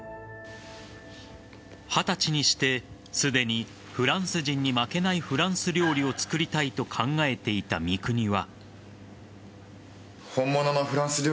二十歳にして、すでにフランス人に負けないフランス料理を作りたいと考えていた三國は。